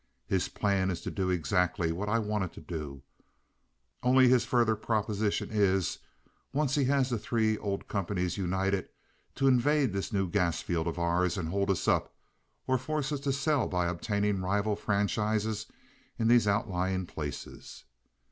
His plan is to do exactly what I wanted to do; only his further proposition is, once he has the three old companies united, to invade this new gas field of ours and hold us up, or force us to sell by obtaining rival franchises in these outlying places.